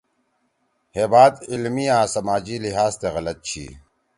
ہے بات علمی آں سماجی لحاظ تے غلط چھی۔